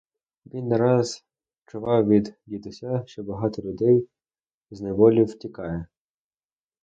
Він не раз чував від дідуся, що багато людей з неволі втікає.